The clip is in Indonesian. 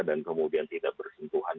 dan kemudian tidak bersentuhan